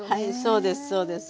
そうですそうです。